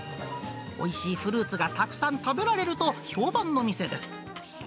おいしいフルーツがたくさん食べられると、評判の店です。